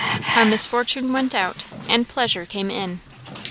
How Miss Fortune went out and pleasure came in.